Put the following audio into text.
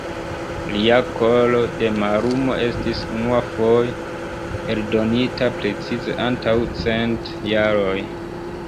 Lia Koro de Mallumo estis unuafoje eldonita precize antaŭ cent jaroj.